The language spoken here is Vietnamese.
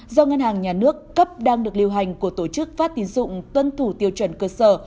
do ngân hàng nhà nước cấp đang được lưu hành của tổ chức phát tín dụng tuân thủ tiêu chuẩn cơ sở